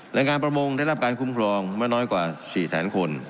แรงงานประมงได้รับการคุ้มครองไม่น้อยกว่า๔แสนคน